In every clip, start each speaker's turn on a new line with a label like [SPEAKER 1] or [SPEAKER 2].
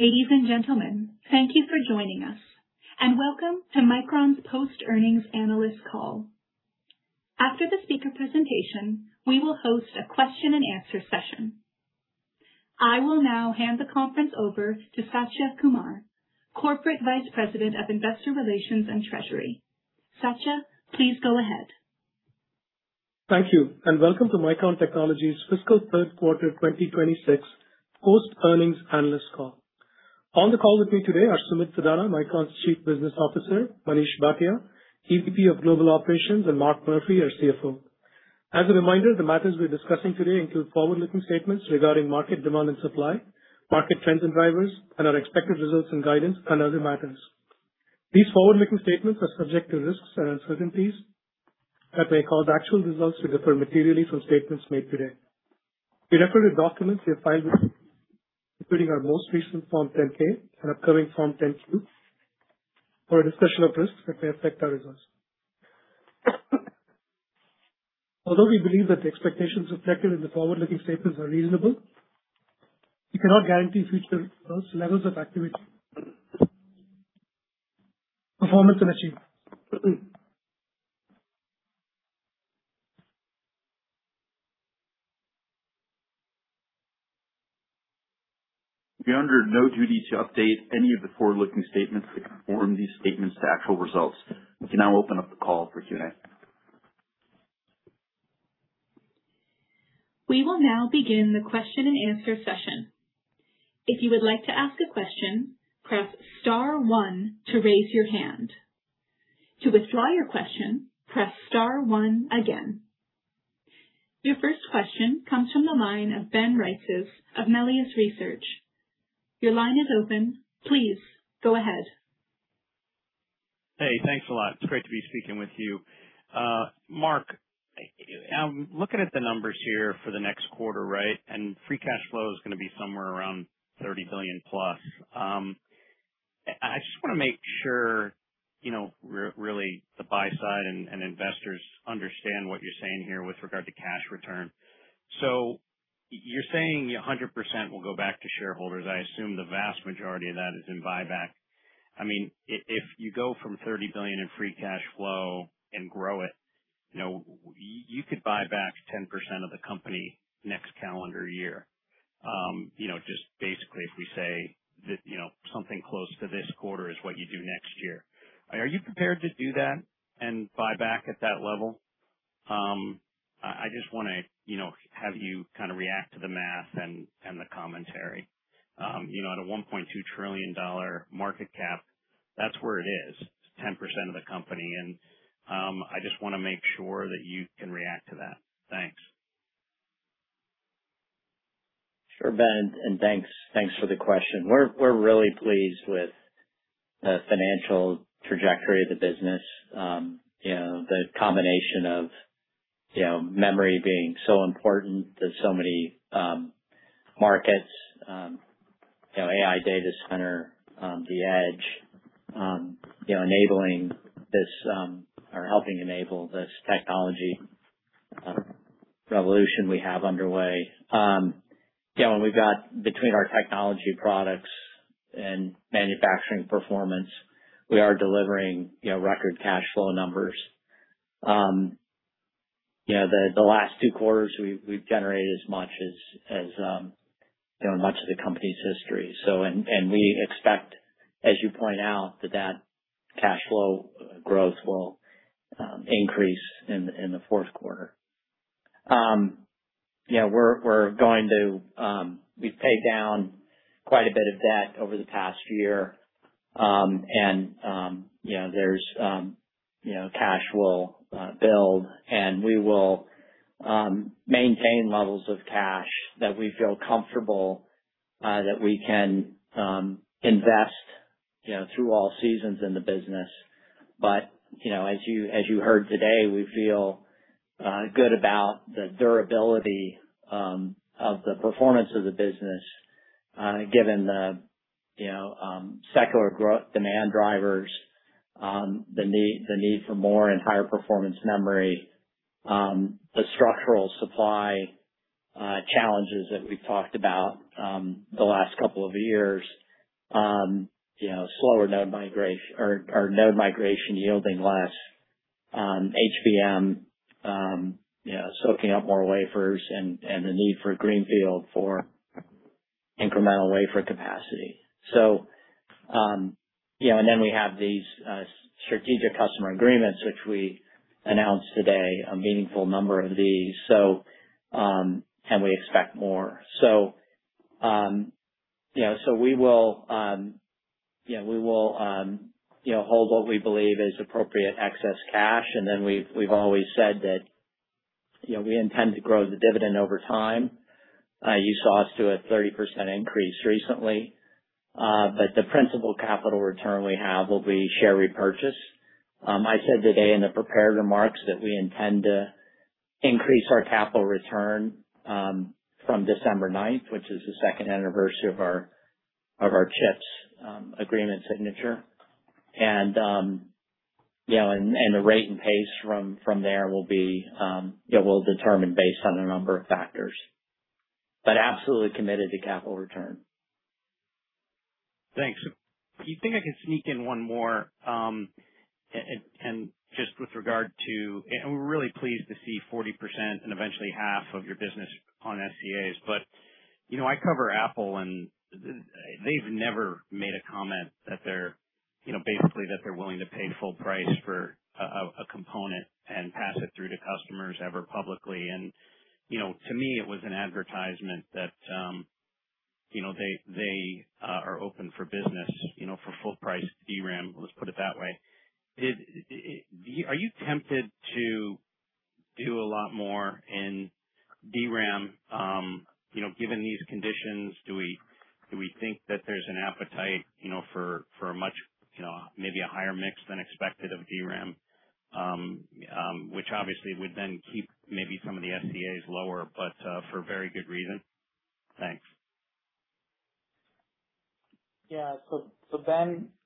[SPEAKER 1] Ladies and gentlemen, thank you for joining us, and welcome to Micron's post earnings analyst call. After the speaker presentation, we will host a question-and-answer session. I will now hand the conference over to Satya Kumar, Corporate Vice President of Investor Relations and Treasury. Satya, please go ahead.
[SPEAKER 2] Thank you. Welcome to Micron Technology's fiscal third quarter 2026 post earnings analyst call. On the call with me today are Sumit Sadana, Micron's Chief Business Officer; Manish Bhatia, EVP of Global Operations; and Mark Murphy, our CFO. As a reminder, the matters we're discussing today include forward-looking statements regarding market demand and supply, market trends and drivers, and our expected results and guidance, and other matters. These forward-looking statements are subject to risks and uncertainties that may cause actual results to differ materially from statements made today. We refer you to documents we have filed with [SEC], including our most recent Form 10-K and upcoming Form 10-Q, for a discussion of risks that may affect our results. Although we believe that the expectations reflected in the forward-looking statements are reasonable, we cannot guarantee future levels of activity, performance, and achievements. We are under no duty to update any of the forward-looking statements or to conform these statements to actual results. We can now open up the call for Q&A.
[SPEAKER 1] We will now begin the question-and-answer session. If you would like to ask a question, press star one to raise your hand. To withdraw your question, press star one again. Your first question comes from the line of Ben Reitzes of Melius Research. Your line is open. Please go ahead.
[SPEAKER 3] Thanks a lot. It's great to be speaking with you. Mark, looking at the numbers here for the next quarter, free cash flow is going to be somewhere around $30+ billion. I just want to make sure really the buy side and investors understand what you're saying here with regard to cash return. You're saying 100% will go back to shareholders. I assume the vast majority of that is in buyback. If you go from $30 billion in free cash flow and grow it, you could buy back 10% of the company next calendar year. Just basically, if we say that something close to this quarter is what you do next year. Are you prepared to do that and buy back at that level? I just want to have you react to the math and the commentary. At a $1.2 trillion market cap, that's where it is, 10% of the company. I just want to make sure that you can react to that. Thanks.
[SPEAKER 4] Sure, Ben, thanks for the question. We're really pleased with the financial trajectory of the business. The combination of memory being so important to so many markets, AI data center, the edge, enabling this or helping enable this technology revolution we have underway. When we've got between our technology products and manufacturing performance, we are delivering record cash flow numbers. The last two quarters, we've generated as much as the company's history. We expect, as you point out, that cash flow growth will increase in the fourth quarter. We've paid down quite a bit of debt over the past year, and cash will build, and we will maintain levels of cash that we feel comfortable that we can invest through all seasons in the business. As you heard today, we feel good about the durability of the performance of the business, given the secular growth demand drivers, the need for more and higher performance memory, the structural supply challenges that we've talked about the last couple of years, node migration yielding less, HBM soaking up more wafers, and the need for greenfield for incremental wafer capacity. We have these Strategic Customer Agreements, which we announced today, a meaningful number of these, and we expect more. We will hold what we believe is appropriate excess cash. We've always said that we intend to grow the dividend over time. You saw us do a 30% increase recently, but the principal capital return we have will be share repurchase. I said today in the prepared remarks that we intend to increase our capital return from December 9th, which is the second anniversary of our CHIPS agreement signature. The rate and pace from there will determine based on a number of factors. Absolutely committed to capital return.
[SPEAKER 3] Thanks. Do you think I could sneak in one more? We're really pleased to see 40% and eventually 1/2 of your business on SCAs. I cover Apple, and they've never made a comment, basically, that they're willing to pay full price for a component and pass it through to customers ever publicly. To me, it was an advertisement that they are open for business, for full price DRAM, let's put it that way. Are you tempted to do a lot more in DRAM? Given these conditions, do we think that there's an appetite for maybe a higher mix than expected of DRAM, which obviously would then keep maybe some of the SCAs lower, but for very good reason? Thanks.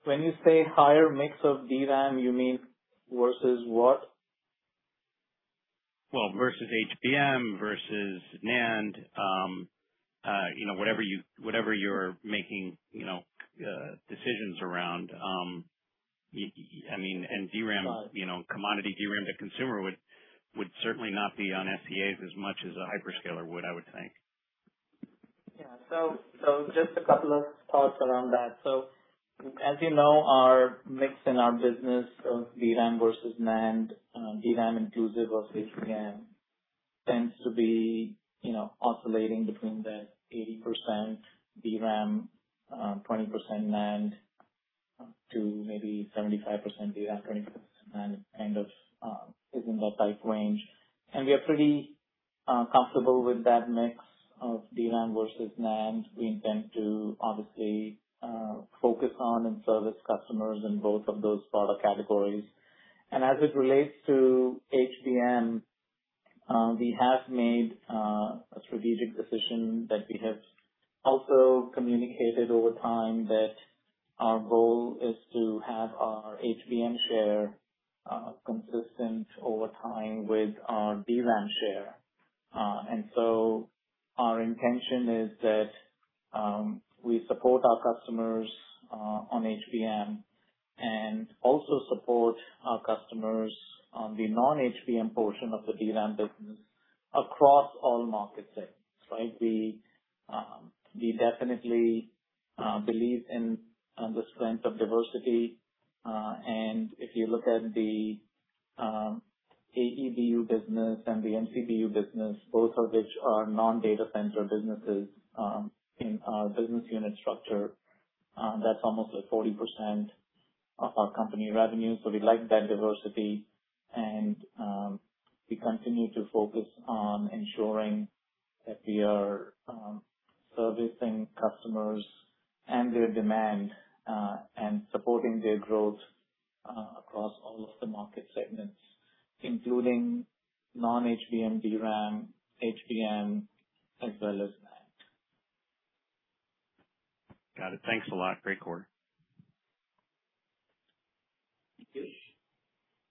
[SPEAKER 5] When you say higher mix of DRAM, you mean versus what?
[SPEAKER 3] Versus HBM, versus NAND, whatever you're making decisions around. Commodity DRAM to consumer would certainly not be on SCAs as much as a hyperscaler would, I would think.
[SPEAKER 5] Just a couple of thoughts around that. As you know, our mix in our business of DRAM versus NAND, DRAM inclusive of HBM, tends to be oscillating between the 80% DRAM:20% NAND, to maybe 75% DRAM:20% NAND, kind of is in that type range. We are pretty comfortable with that mix of DRAM versus NAND. We intend to obviously, focus on and service customers in both of those product categories. As it relates to HBM, we have made a strategic decision that we have also communicated over time that our goal is to have our HBM share consistent over time with our DRAM share. Our intention is that we support our customers on HBM and also support our customers on the non-HBM portion of the DRAM business across all market segments. We definitely believe in the strength of diversity. If you look at the AEBU business and the MCBU business, both of which are non-data center businesses in our business unit structure, that's almost at 40% of our company revenue. We like that diversity, and we continue to focus on ensuring that we are servicing customers and their demand, and supporting their growth, across all of the market segments, including non-HBM DRAM, HBM, as well as NAND.
[SPEAKER 3] Got it. Thanks a lot. Great quarter.
[SPEAKER 5] Thank you.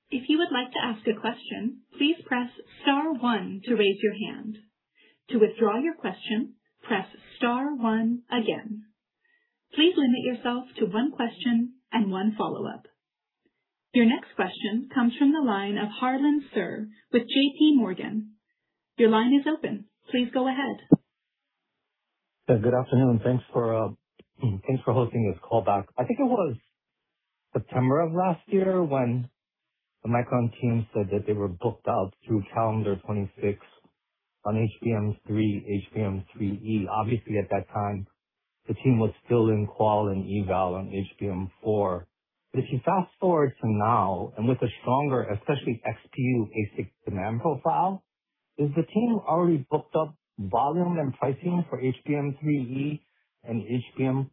[SPEAKER 1] If you would like to ask a question, please press star one to raise your hand. To withdraw your question, press star one again. Please limit yourself to one question and one follow-up. Your next question comes from the line of Harlan Sur with JPMorgan. Your line is open. Please go ahead.
[SPEAKER 6] Good afternoon. Thanks for hosting this call back. I think it was September of last year when the Micron team said that they were booked out through calendar 2026 on HBM3, HBM3E. Obviously, at that time, the team was still in qual and eval on HBM4. If you fast-forward to now, and with a stronger, especially XPU ASIC demand profile, is the team already booked up volume and pricing for HBM3E and HBM4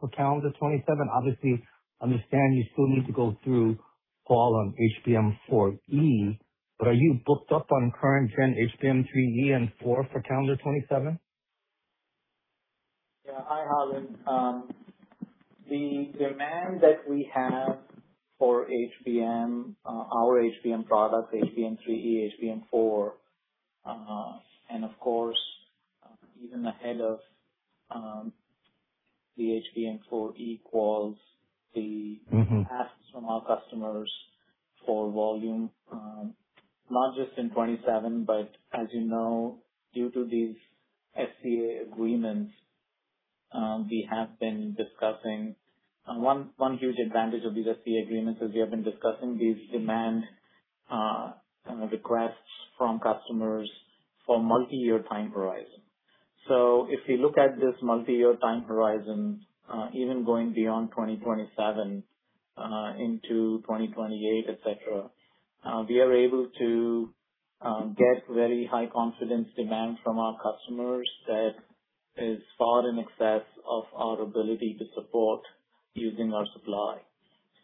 [SPEAKER 6] for calendar 2027? Obviously, understand you still need to go through qual on HBM4E. Are you booked up on current gen HBM3E and HBM4 for calendar 2027?
[SPEAKER 5] Hi, Harlan. The demand that we have for our HBM products - HBM3E, HBM4 and of course, even ahead of the HBM4E quals - the asks from our customers for volume, not just in 2027— but as you know, due to these SCA agreements, one huge advantage of these SCA agreements is we have been discussing these demand requests from customers for multiyear time horizon. If we look at this multiyear time horizon, even going beyond 2027, into 2028, et cetera, we are able to get very high confidence demand from our customers that is far in excess of our ability to support using our supply.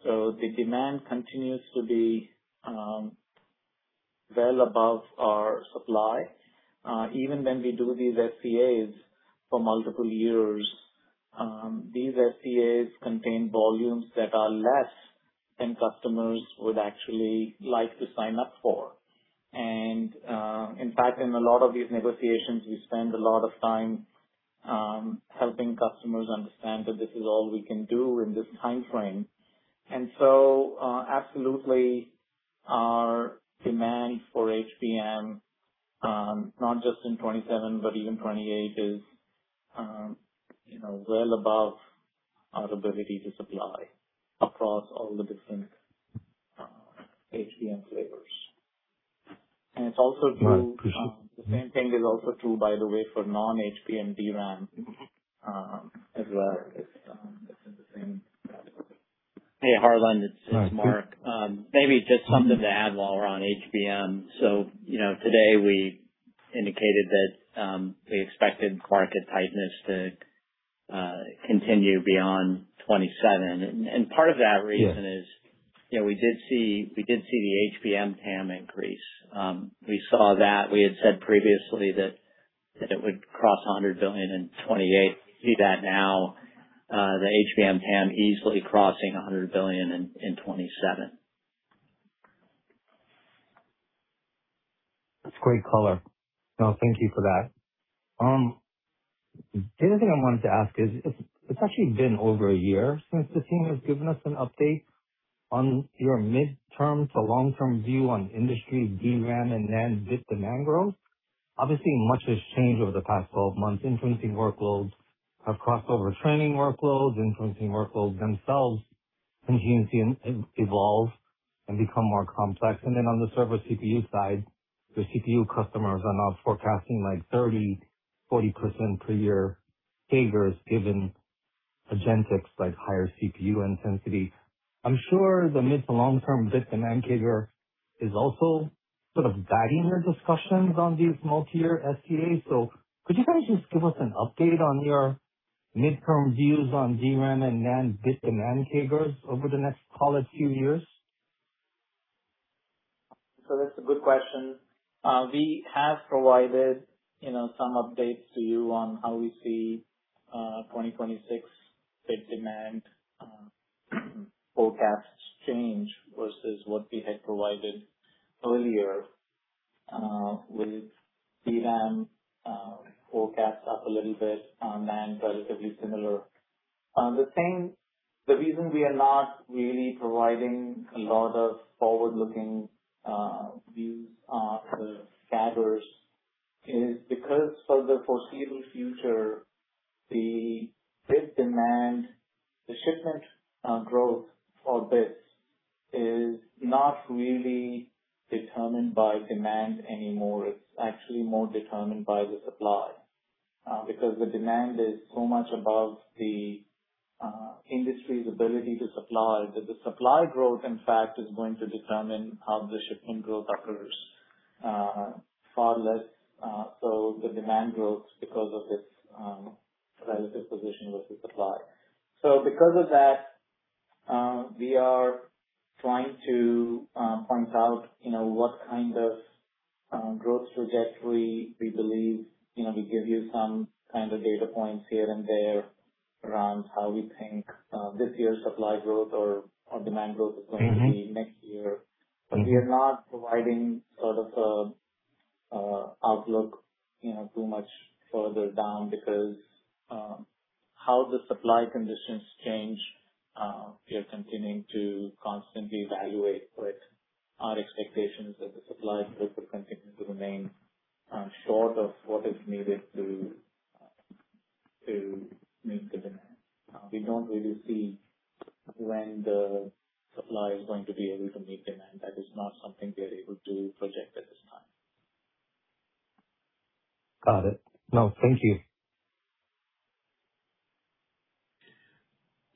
[SPEAKER 5] The demand continues to be well above our supply. Even when we do these SCAs for multiple years, these SCAs contain volumes that are less than customers would actually like to sign up for. In fact, in a lot of these negotiations, we spend a lot of time helping customers understand that this is all we can do in this timeframe. Absolutely, our demand for HBM, not just in 2027, but even 2028, is well above our ability to supply across all the different HBM flavors.
[SPEAKER 6] Right.
[SPEAKER 5] The same thing is also true, by the way, for non-HBM DRAM, as well. It's in the same category.
[SPEAKER 4] Harlan, it's Mark.
[SPEAKER 6] Hi.
[SPEAKER 4] Maybe just something to add while we're on HBM. Today, we indicated that we expected market tightness to continue beyond 2027. Part of that reason is we did see the HBM TAM increase. We saw that. We had said previously that it would cross $100 billion in 2028. We see that now, the HBM TAM easily crossing $100 billion in 2027.
[SPEAKER 6] That's great color. Thank you for that. The other thing I wanted to ask is, it's actually been over a year since the team has given us an update on your midterm to long-term view on industry DRAM and NAND bit demand growth. Obviously, much has changed over the past 12 months. Inferencing workloads have crossed over training workloads, inferencing workloads themselves continue to evolve and become more complex. On the server CPU side, the CPU customers are now forecasting 30%-40% per year CAGRs given agentics like higher CPU intensity. I'm sure the mid to long-term bit demand CAGR is also sort of guiding the discussions on these multiyear SCAs. Could you guys just give us an update on your midterm views on DRAM and NAND bit demand CAGRs over the next call it few years?
[SPEAKER 5] That's a good question. We have provided some updates to you on how we see 2026 bit demand forecasts change versus what we had provided earlier, with DRAM forecasts up a little bit, NAND relatively similar. The reason we are not really providing a lot of forward-looking views on the CAGRs is because for the foreseeable future, the shipment growth for bits is not really determined by demand anymore. It's actually more determined by the supply. The demand is so much above the industry's ability to supply, that the supply growth, in fact, is going to determine how the shipping growth occurs, far less so the demand growth because of this relative position with the supply. Because of that, we are trying to point out what kind of growth trajectory we believe. We give you some kind of data points here and there around how we think this year's supply growth or demand growth is going to be next year. We are not providing sort of an outlook too much further down because how the supply conditions change, we are continuing to constantly evaluate, but our expectation is that the supply growth will continue to remain short of what is needed to meet the demand. We don't really see when the supply is going to be able to meet demand. That is not something we are able to project at this time.
[SPEAKER 6] Got it. Thank you.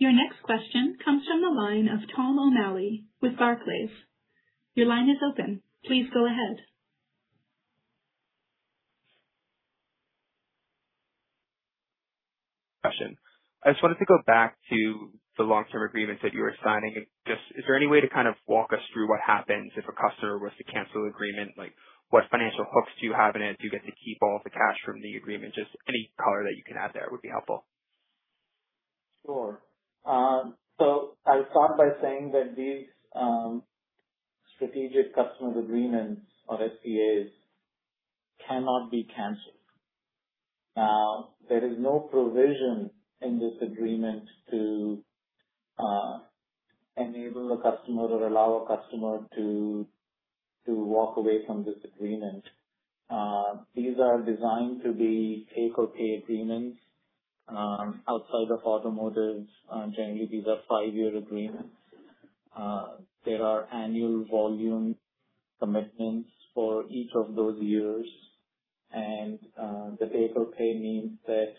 [SPEAKER 1] Your next question comes from the line of Tom O'Malley with Barclays. Your line is open. Please go ahead.
[SPEAKER 7] I just wanted to go back to the long-term agreements that you were signing. Is there any way to kind of walk us through what happens if a customer was to cancel the agreement? What financial hooks do you have in it? Do you get to keep all the cash from the agreement? Just any color that you can add there would be helpful.
[SPEAKER 5] Sure. I'll start by saying that these Strategic Customer Agreements or SCAs cannot be canceled. There is no provision in this agreement to enable a customer or allow a customer to walk away from this agreement. These are designed to be take-or-pay agreements. Outside of automotive, generally, these are five-year agreements. There are annual volume commitments for each of those years, and the take-or-pay means that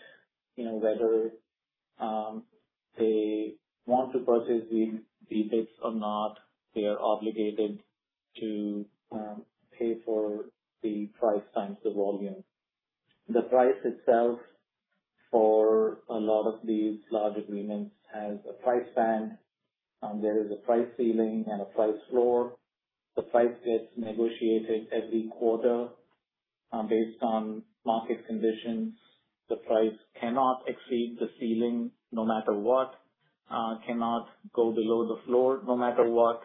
[SPEAKER 5] whether they want to purchase the bits or not, they are obligated to pay for the price times the volume. The price itself for a lot of these large agreements has a price band. There is a price ceiling and a price floor. The price gets negotiated every quarter based on market conditions. The price cannot exceed the ceiling no matter what, cannot go below the floor no matter what.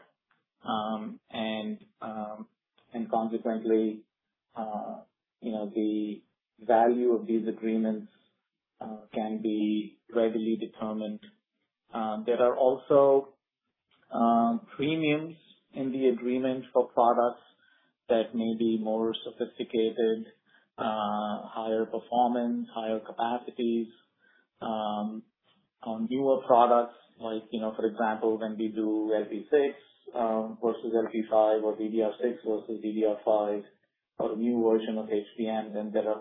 [SPEAKER 5] Consequently, the value of these agreements can be readily determined. There are also premiums in the agreement for products that may be more sophisticated, higher performance, higher capacities, newer products like, for example, when we do LPDDR6 versus LPDDR5 or DDR6 versus DDR5 or a new version of HBM, then there are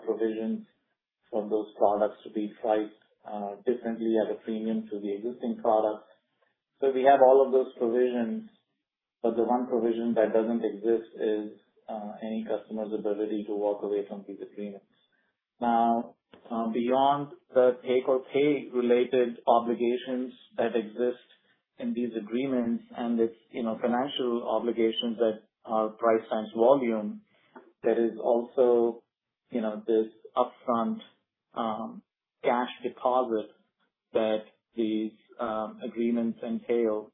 [SPEAKER 5] provisions for those products to be priced differently at a premium to the existing products. We have all of those provisions. The one provision that doesn't exist is any customer's ability to walk away from these agreements. Beyond the take-or-pay related obligations that exist in these agreements and its financial obligations that are price times volume, there is also this upfront cash deposit that these agreements entail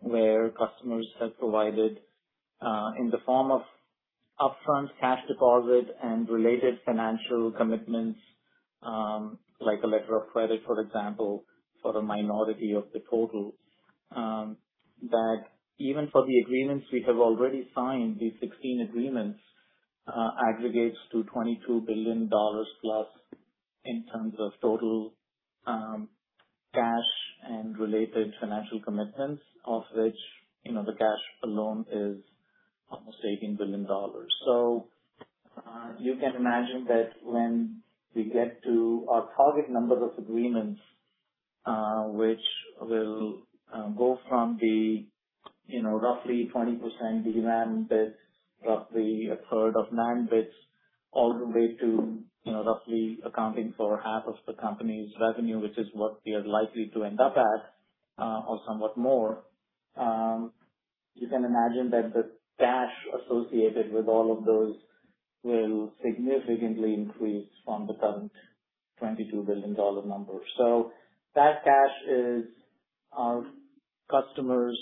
[SPEAKER 5] where customers have provided, in the form of upfront cash deposit and related financial commitments, like a letter of credit, for example, for a minority of the total, that even for the agreements we have already signed, these 16 agreements aggregates to $22+ billion in terms of total cash and related financial commitments, of which the cash alone is almost $18 billion. You can imagine that when we get to our target numbers of agreements, which will go from the roughly 20% DRAM bits, roughly 1/3 of NAND bits, all the way to roughly accounting for 1/2 of the company's revenue, which is what we are likely to end up at, or somewhat more. You can imagine that the cash associated with all of those will significantly increase from the current $22 billion number. That cash is our customers'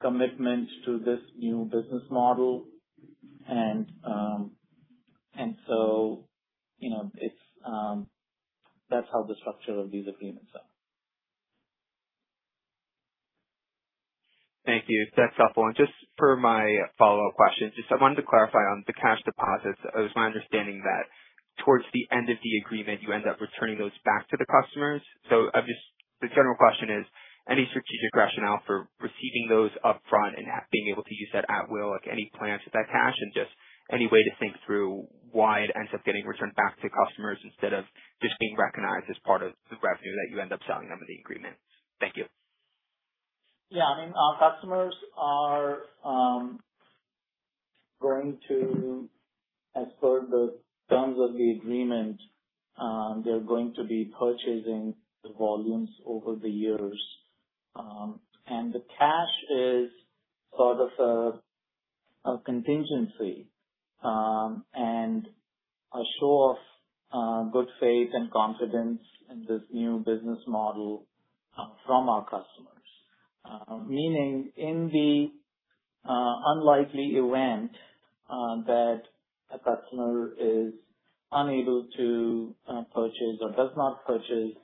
[SPEAKER 5] commitment to this new business model. That's how the structure of these agreements are.
[SPEAKER 7] Thank you. That's helpful. Just for my follow-up question. I wanted to clarify on the cash deposits. It was my understanding that towards the end of the agreement, you end up returning those back to the customers. The general question is, any strategic rationale for receiving those upfront and being able to use that at will, like any plans with that cash, and just any way to think through why it ends up getting returned back to customers instead of just being recognized as part of the revenue that you end up selling them in the agreement? Thank you.
[SPEAKER 5] Our customers are going to, as per the terms of the agreement, be purchasing the volumes over the years. The cash is sort of a contingency, and a show of good faith and confidence in this new business model from our customers. Meaning in the unlikely event that a customer is unable to purchase or does not purchase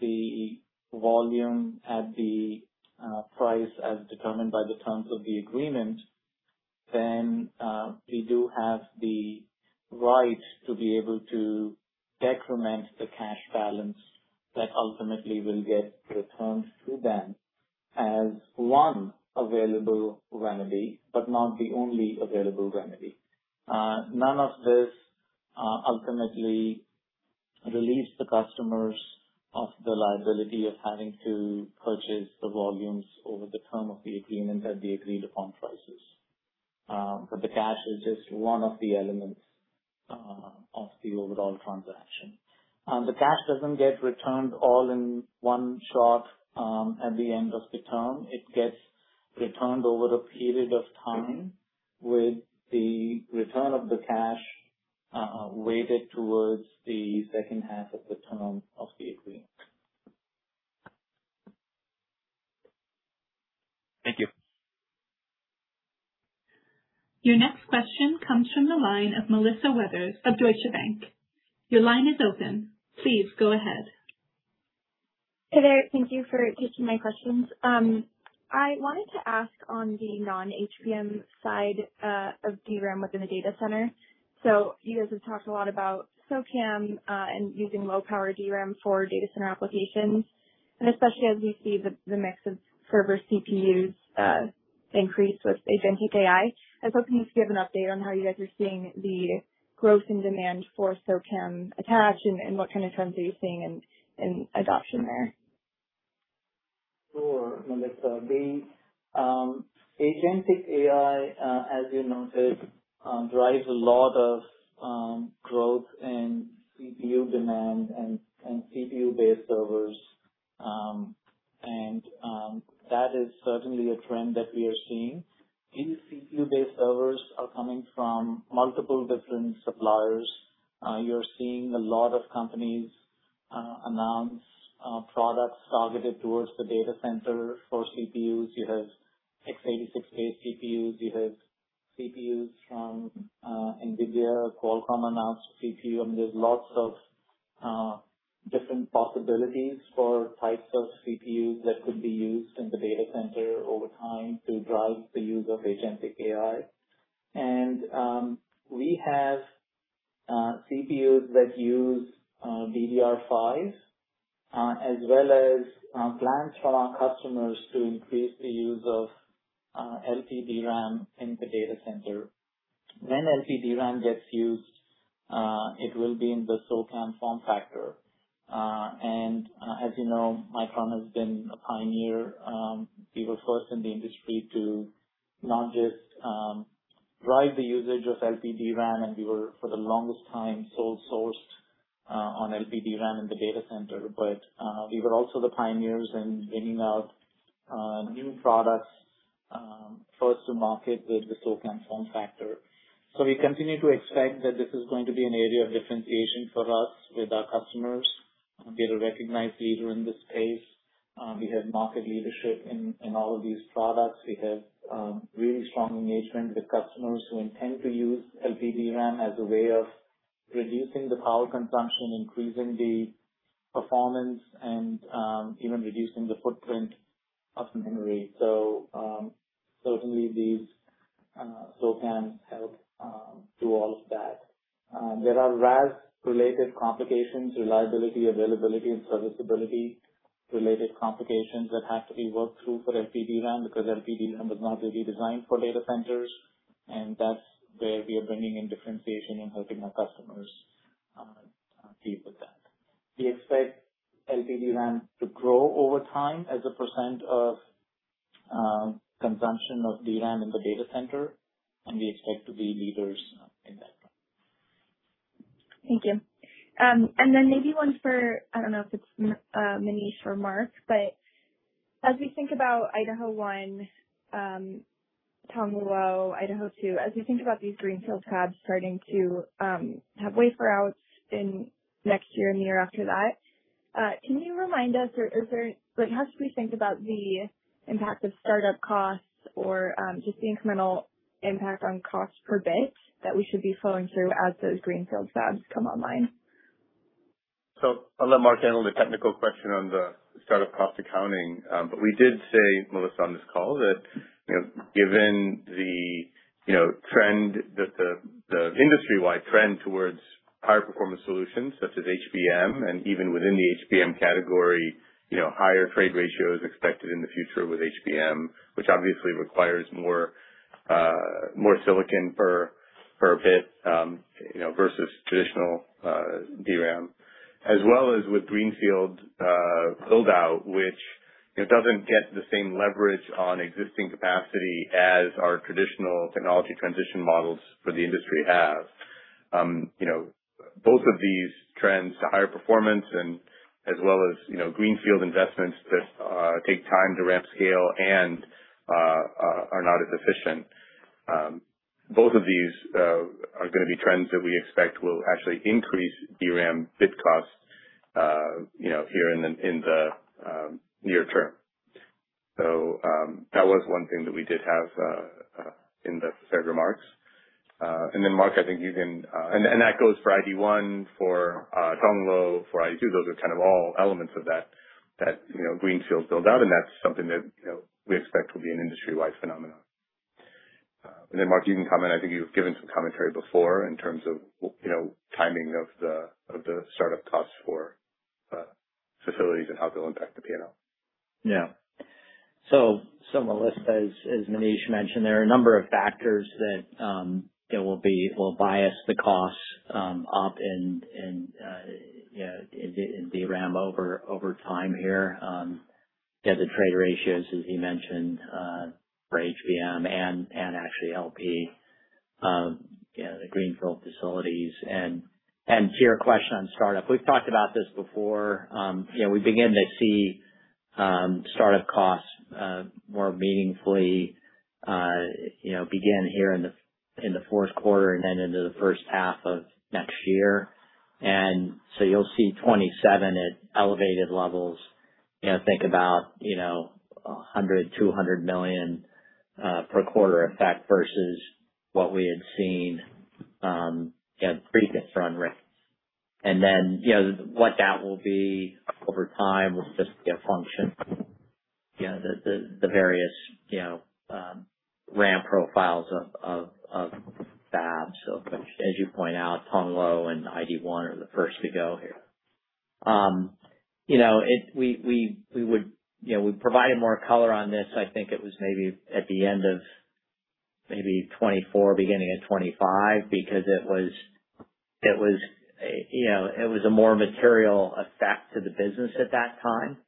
[SPEAKER 5] the volume at the price as determined by the terms of the agreement, then we do have the right to be able to decrement the cash balance that ultimately will get returned to them as one available remedy, but not the only available remedy. None of this ultimately relieves the customers of the liability of having to purchase the volumes over the term of the agreement at the agreed-upon prices. The cash is just one of the elements of the overall transaction. The cash doesn't get returned all in one shot at the end of the term. It gets returned over a period of time with the return of the cash weighted towards the second half of the term of the agreement.
[SPEAKER 7] Thank you.
[SPEAKER 1] Your next question comes from the line of Melissa Weathers of Deutsche Bank. Your line is open. Please go ahead.
[SPEAKER 8] Hi there. Thank you for taking my questions. I wanted to ask on the non-HBM side of DRAM within the data center. You guys have talked a lot about SOCAMM and using low-power DRAM for data center applications, and especially as we see the mix of server CPUs increase with agentic AI. I was hoping you could give an update on how you guys are seeing the growth in demand for SOCAMM attach and what kind of trends are you seeing in adoption there.
[SPEAKER 5] Sure, Melissa. Agentic AI, as you noted, drives a lot of growth in CPU demand and CPU-based servers. That is certainly a trend that we are seeing. These CPU-based servers are coming from multiple different suppliers. You're seeing a lot of companies announce products targeted towards the data center for CPUs. You have x86-based CPUs. You have CPUs from NVIDIA. Qualcomm announced a CPU. There's lots of different possibilities for types of CPUs that could be used in the data center over time to drive the use of agentic AI. We have CPUs that use DDR5, as well as plans from our customers to increase the use of LPDRAM in the data center. When LPDRAM gets used, it will be in the SOCAMM form factor. As you know, Micron has been a pioneer. We were first in the industry to not just drive the usage of LPDRAM, we were, for the longest time, sole sourced on LPDRAM in the data center. We were also the pioneers in bringing out new products, first to market with the SOCAMM form factor. We continue to expect that this is going to be an area of differentiation for us with our customers and be a recognized leader in this space. We have market leadership in all of these products. We have really strong engagement with customers who intend to use LPDRAM as a way of reducing the power consumption, increasing the performance, and even reducing the footprint of some memory. Certainly these SOCAMMs help do all of that. There are RAS-related complications - reliability, availability, and serviceability-related complications - that have to be worked through for LPDRAM, because LPDRAM was not really designed for data centers. That's where we are bringing in differentiation and helping our customers deal with that. We expect LPDRAM to grow over time as a percent of consumption of DRAM in the data center, we expect to be leaders in that front.
[SPEAKER 8] Thank you. Maybe one for, I don't know if it's Manish or Mark, but as we think about Idaho One, Tongluo, Idaho Two, as we think about these greenfield fabs starting to have wafer outs in next year and the year after that, can you remind us how should we think about the impact of startup costs or just the incremental impact on cost per bit that we should be flowing through as those greenfield fabs come online?
[SPEAKER 9] I'll let Mark handle the technical question on the startup cost accounting. We did say, Melissa, on this call that, given the industry-wide trend towards higher performance solutions such as HBM and even within the HBM category, higher trade ratio is expected in the future with HBM—which obviously requires more silicon per bit versus traditional DRAM—as well as with greenfield build-out, which doesn't get the same leverage on existing capacity as our traditional technology transition models for the industry have. Both of these trends to higher performance—as well as greenfield investments that take time to ramp scale and are not as efficient—both of these are going to be trends that we expect will actually increase DRAM bit costs here in the near term. That was one thing that we did have in the prepared remarks. That goes for Idaho One, for Tongluo, for Idaho Two. Those are all elements of that greenfield build-out, and that's something that we expect will be an industry-wide phenomenon. Mark, you can comment. I think you've given some commentary before in terms of timing of the startup costs for facilities and how they'll impact the P&L.
[SPEAKER 4] Melissa, as Manish mentioned, there are a number of factors that will bias the costs up in DRAM over time here. The trade ratios, as he mentioned, for HBM and actually LP, the greenfield facilities. To your question on startup, we've talked about this before. We begin to see startup costs more meaningfully begin here in the fourth quarter and then into the first half of next year. You'll see 2027 at elevated levels, think about $100 million, $200 million per quarter effect versus what we had seen at previous run rates. What that will be over time will just be a function, the various ramp profiles of fabs. As you point out, Tongluo and Idaho One are the first to go here. We provided more color on this, I think it was maybe at the end of maybe 2024, beginning of 2025, because it was a more material effect to the business at that time.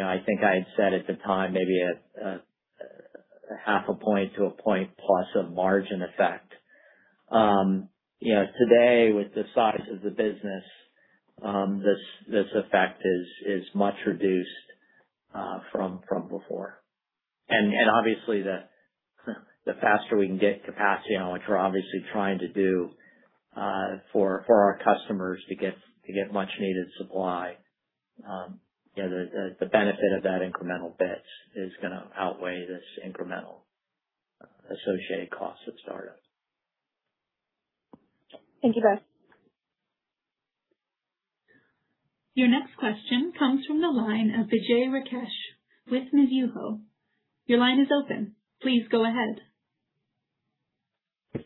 [SPEAKER 4] I think I had said at the time, maybe 0.5 point-1+ point of margin effect. Today, with the size of the business, this effect is much reduced from before. Obviously, the faster we can get capacity on, which we're obviously trying to do for our customers to get much needed supply. The benefit of that incremental bits is going to outweigh this incremental associated cost at startup.
[SPEAKER 8] Thank you, guys.
[SPEAKER 1] Your next question comes from the line of Vijay Rakesh with Mizuho. Your line is open. Please go ahead.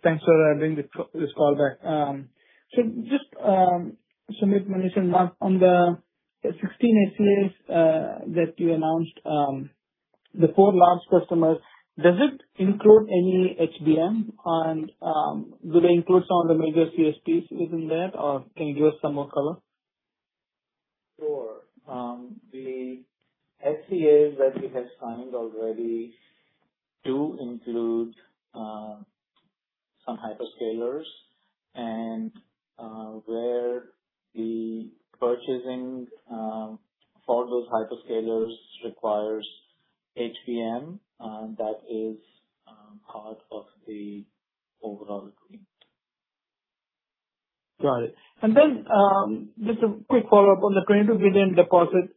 [SPEAKER 10] Thanks for doing this call back. Sumit, Manish, and Mark, on the 16 SCAs that you announced, the four large customers, does it include any HBM? Do they include some of the major CSPs within that, or can you give us some more color?
[SPEAKER 5] Sure. The SCAs that we have signed already do include some hyperscalers, where the purchasing for those hyperscalers requires HBM, that is part of the overall agreement.
[SPEAKER 10] Got it. Then, just a quick follow-up on the $20 billion deposit.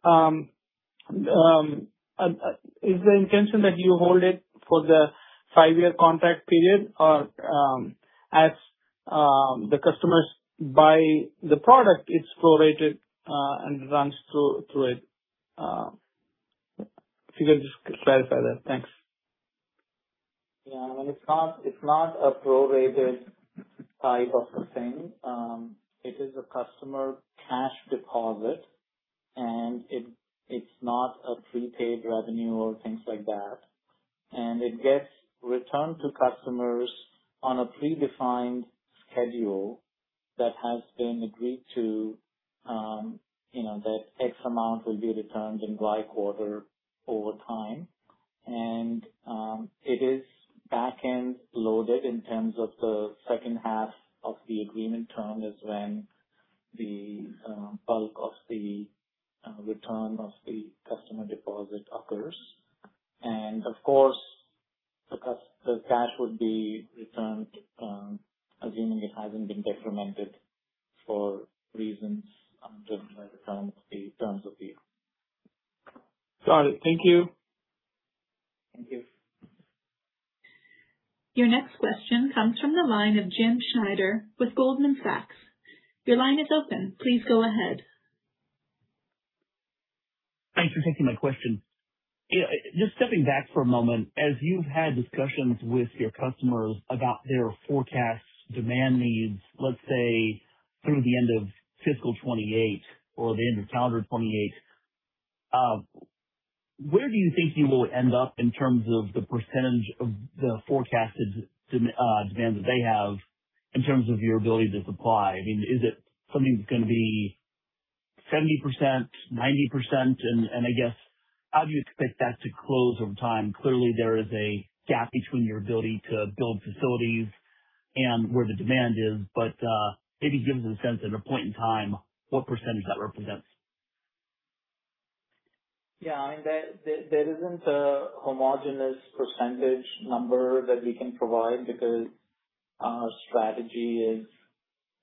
[SPEAKER 10] Is the intention that you hold it for the five-year contract period or as the customers buy the product, it's prorated and runs through it? If you could just clarify that. Thanks.
[SPEAKER 5] I mean, it's not a prorated type of a thing. It is a customer cash deposit, it's not a prepaid revenue or things like that. It gets returned to customers on a predefined schedule that has been agreed to, that X amount will be returned in Y quarter over time. It is back-end loaded, in terms of the second half of the agreement term is when the bulk of the return of the customer deposit occurs. Of course, the cash would be returned, assuming it hasn't been decremented for reasons determined by the terms of the [agreement].
[SPEAKER 10] Got it. Thank you.
[SPEAKER 5] Thank you.
[SPEAKER 1] Your next question comes from the line of Jim Schneider with Goldman Sachs. Your line is open. Please go ahead.
[SPEAKER 11] Thanks for taking my question. Just stepping back for a moment, as you've had discussions with your customers about their forecast demand needs, let's say through the end of fiscal 2028 or the end of calendar 2028, where do you think you will end up in terms of the percentage of the forecasted demand that they have in terms of your ability to supply? I mean, is it something that's going to be 70%, 90%? I guess, how do you expect that to close over time? Clearly, there is a gap between your ability to build facilities and where the demand is, but maybe give us a sense at a point in time what percentage that represents.
[SPEAKER 5] I mean, there isn't a homogeneous percentage number that we can provide because our strategy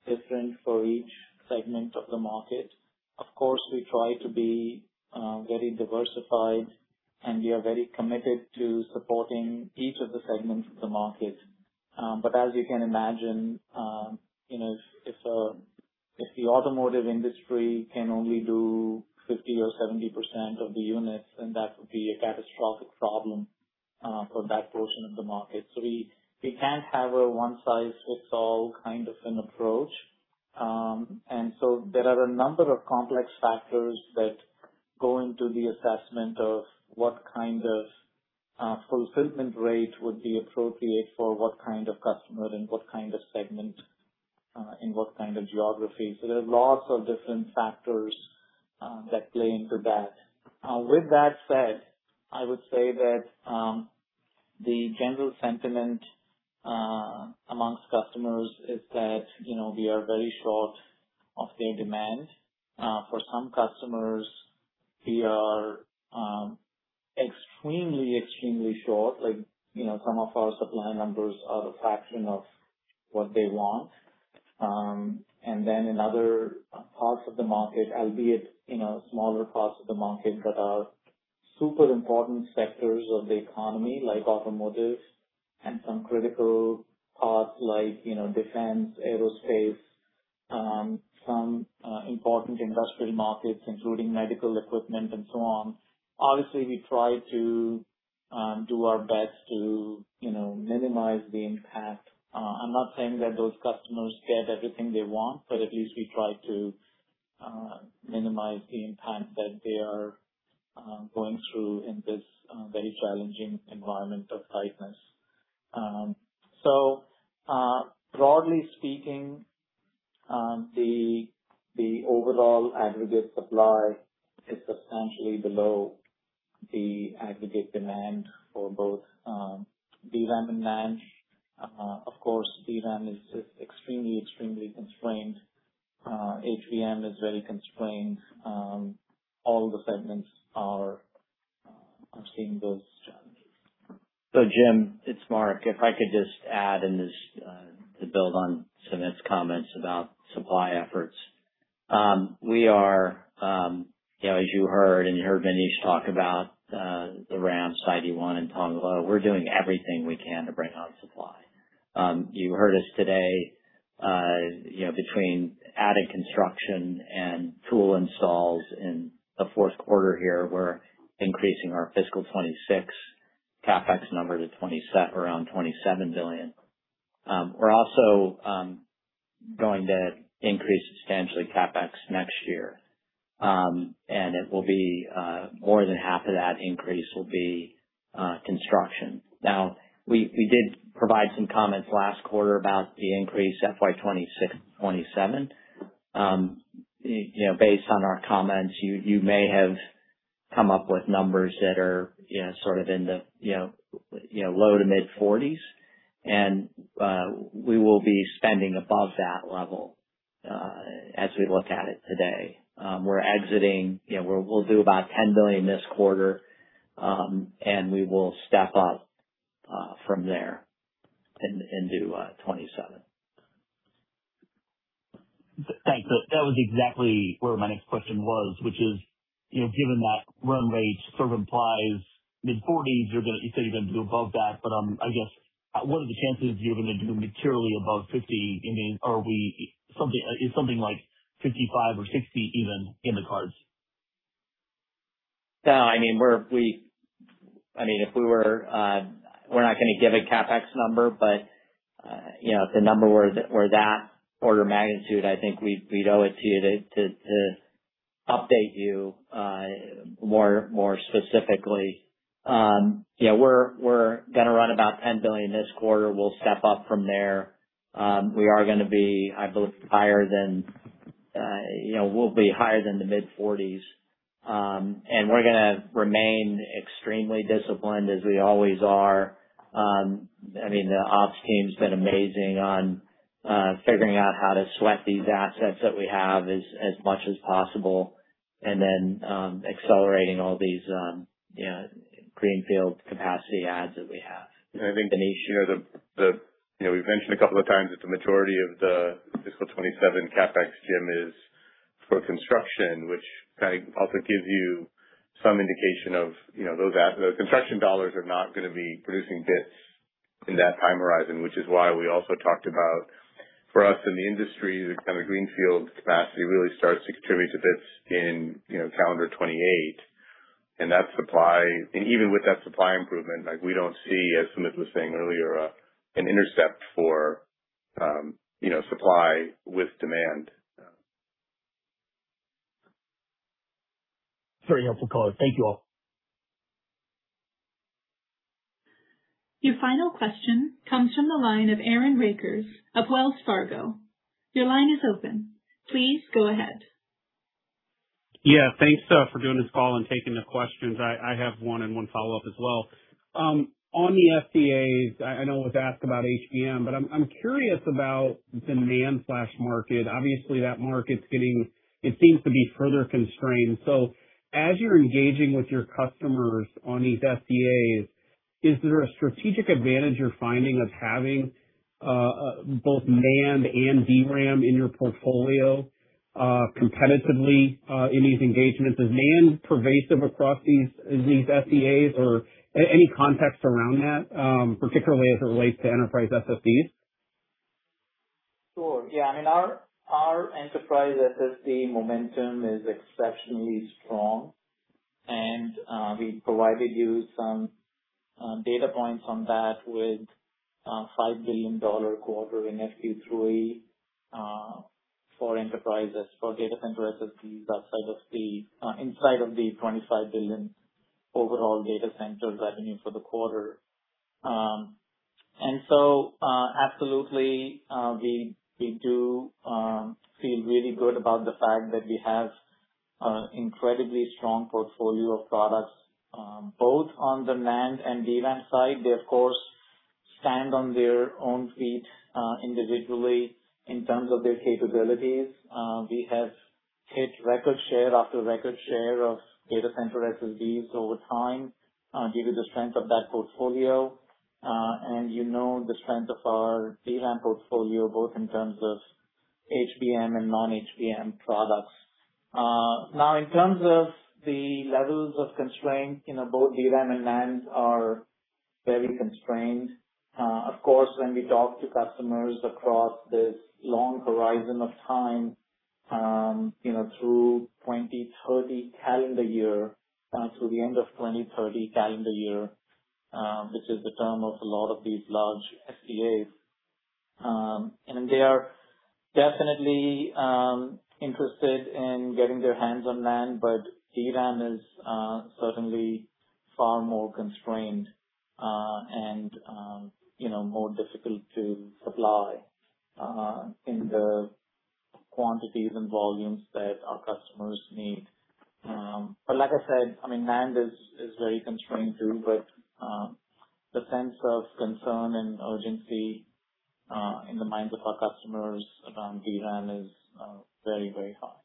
[SPEAKER 5] is different for each segment of the market. Of course, we try to be very diversified, and we are very committed to supporting each of the segments of the market. As you can imagine, if the automotive industry can only do 50% or 70% of the units, then that would be a catastrophic problem for that portion of the market. We can't have a one-size-fits-all kind of an approach. There are a number of complex factors that go into the assessment of what kind of fulfillment rate would be appropriate for what kind of customer in what kind of segment, in what kind of geography. There are lots of different factors that play into that. With that said, I would say that the general sentiment amongst customers is that we are very short of their demand. For some customers, we are extremely short. Some of our supply numbers are a fraction of what they want. Then in other parts of the market, albeit smaller parts of the market that are super important sectors of the economy, like automotive and some critical parts like defense, aerospace, some important industrial markets, including medical equipment and so on. Obviously, we try to do our best to minimize the impact. I'm not saying that those customers get everything they want, but at least we try to minimize the impact that they are going through in this very challenging environment of tightness. Broadly speaking, the overall aggregate supply is substantially below the aggregate demand for both DRAM and NAND. Of course, DRAM is extremely constrained. HBM is very constrained. All the segments are seeing those challenges.
[SPEAKER 4] Jim, it's Mark. If I could just add in this to build on Sumit's comments about supply efforts. As you heard, and you heard Manish talk about Idaho site and Tongluo, we're doing everything we can to bring up supply. You heard us today, between adding construction and tool installs in the fourth quarter here, we're increasing our fiscal 2026 CapEx number to around $27 billion. We're also going to increase substantially CapEx next year, and more than 1/2 of that increase will be construction. Now, we did provide some comments last quarter about the increase FY 2027. Based on our comments, you may have come up with numbers that are in the low to mid-40%, and we will be spending above that level as we look at it today. We'll do about $10 billion this quarter, and we will step up from there into 2027.
[SPEAKER 11] Thanks. That was exactly where my next question was, which is, given that run rate sort of implies mid-40%, you said you're going to do above that, but I guess what are the chances you're going to do materially above 50%? Is something like 55% or 60% even in the cards?
[SPEAKER 4] No. We're not going to give a CapEx number. If the number were that order of magnitude, I think we'd owe it to you to update you more specifically. We're going to run about $10 billion this quarter. We'll step up from there. We are going to be, I believe, higher than the mid-40%. We're going to remain extremely disciplined as we always are. The ops team's been amazing on figuring out how to sweat these assets that we have as much as possible and then accelerating all these greenfield capacity adds that we have.
[SPEAKER 9] Manish here. We've mentioned a couple of times that the majority of the fiscal 2027 CapEx, Jim, is for construction, which kind of also gives you some indication of those construction dollars are not going to be producing bits in that time horizon, which is why we also talked about for us in the industry, the kind of greenfield capacity really starts to contribute to bits in calendar 2028. Even with that supply improvement, we don't see, as Sumit was saying earlier, an intercept for supply with demand.
[SPEAKER 11] Very helpful call. Thank you all.
[SPEAKER 1] Your final question comes from the line of Aaron Rakers of Wells Fargo. Your line is open. Please go ahead.
[SPEAKER 12] Thanks for doing this call and taking the questions. I have one and one follow-up as well. On the SCAs, I know it was asked about HBM, but I'm curious about the NAND flash market. Obviously, that market seems to be further constrained. As you're engaging with your customers on these SCAs, is there a strategic advantage you're finding of having both NAND and DRAM in your portfolio competitively in these engagements? Is NAND pervasive across these SCAs or any context around that, particularly as it relates to enterprise SSDs?
[SPEAKER 5] Sure. Our enterprise SSD momentum is exceptionally strong, and we provided you some data points on that with a $5 billion quarter in FQ3 for enterprise SSDs inside of the $25 billion overall data centers revenue for the quarter. Absolutely, we do feel really good about the fact that we have incredibly strong portfolio of products, both on the NAND and DRAM side. They, of course, stand on their own feet individually in terms of their capabilities. We have hit record share after record share of data center SSDs over time due to the strength of that portfolio. You know the strength of our DRAM portfolio, both in terms of HBM and non-HBM products. In terms of the levels of constraint, both DRAM and NAND are very constrained. Of course, when we talk to customers across this long horizon of time through the end of 2030 calendar year, which is the term of a lot of these large SCAs. They are definitely interested in getting their hands on NAND, but DRAM is certainly far more constrained, and more difficult to supply in the quantities and volumes that our customers need. Like I said, NAND is very constrained too, but the sense of concern and urgency in the minds of our customers around DRAM is very, very high.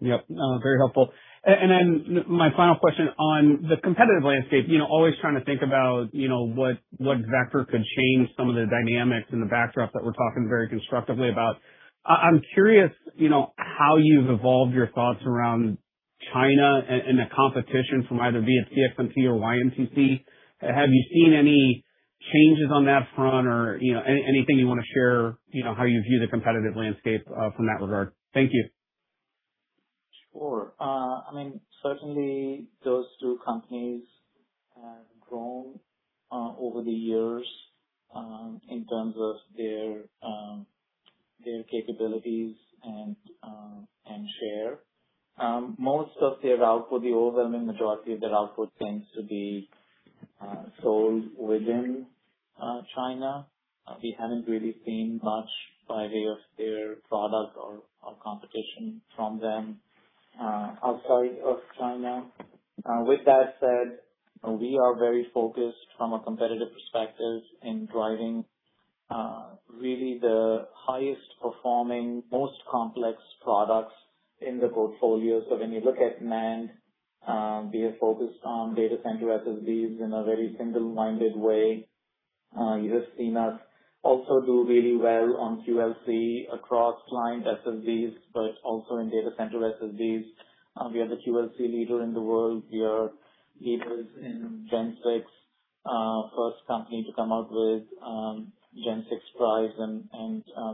[SPEAKER 12] Very helpful. My final question on the competitive landscape, always trying to think about what vector could change some of the dynamics and the backdrop that we're talking very constructively about. I'm curious how you've evolved your thoughts around China and the competition from either be it CXMT or YMTC. Have you seen any changes on that front or anything you want to share, how you view the competitive landscape from that regard? Thank you.
[SPEAKER 5] Sure. Certainly those two companies have grown over the years in terms of their capabilities and share. Most of their output, the overwhelming majority of their output tends to be sold within China. We haven't really seen much by way of their product or competition from them outside of China. With that said, we are very focused from a competitive perspective in driving really the highest performing, most complex products in the portfolio. When you look at NAND, we are focused on data center SSDs in a very single-minded way. You have seen us also do really well on QLC across client SSDs, but also in data center SSDs. We are the QLC leader in the world. We are leaders in Gen6, first company to come out with Gen6 drives and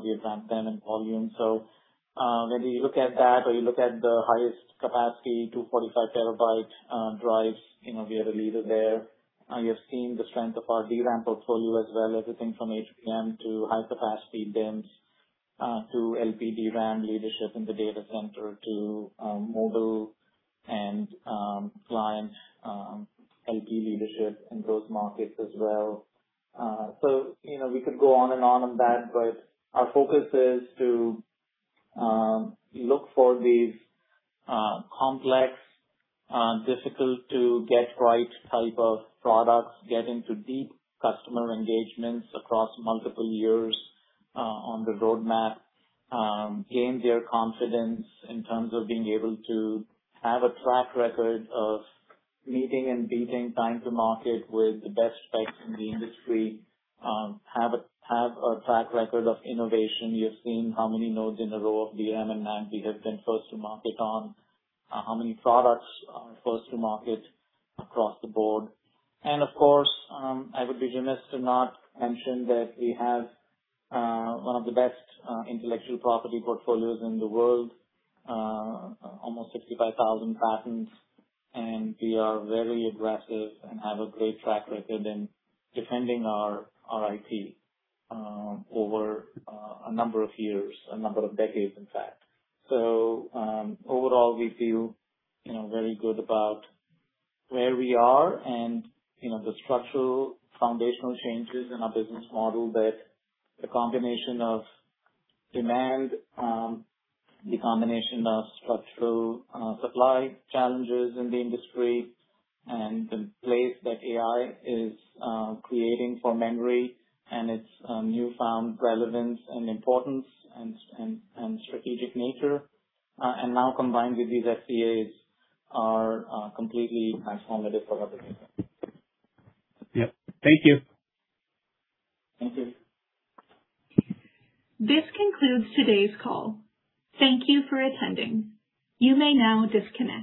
[SPEAKER 5] we advanced them in volume. When you look at that or you look at the highest capacity, 245 TB drives, we are a leader there. You have seen the strength of our DRAM portfolio as well, everything from HBM to high capacity DIMMs, to LPDRAM leadership in the data center, to mobile and client LP leadership in those markets as well. We could go on and on on that, but our focus is to look for these complex, difficult to get right type of products, get into deep customer engagements across multiple years, on the roadmap, gain their confidence in terms of being able to have a track record of meeting and beating time to market with the best specs in the industry, have a track record of innovation. You've seen how many nodes in a row of DRAM and NAND we have been first to market on, how many products are first to market across the board. Of course, I would be remiss to not mention that we have one of the best intellectual property portfolios in the world, almost 65,000 patents. We are very aggressive and have a great track record in defending our IP, over a number of years, a number of decades, in fact. Overall, we feel very good about where we are and the structural foundational changes in our business model that the combination of demand, the combination of structural supply challenges in the industry, and the place that AI is creating for memory and its newfound relevance and importance and strategic nature, and now combined with these SCAs are completely transformative for our business.
[SPEAKER 12] Thank you.
[SPEAKER 5] Thank you.
[SPEAKER 1] This concludes today's call. Thank you for attending. You may now disconnect.